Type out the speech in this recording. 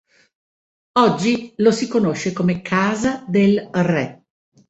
Oggi lo si conosce come casa del Re.